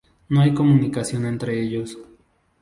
No hay comunicación entre ellos.